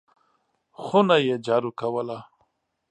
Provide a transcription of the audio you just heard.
خونه یې جارو کوله !